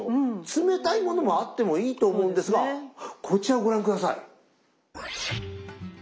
冷たい物もあってもいいと思うんですがこちらをご覧下さい。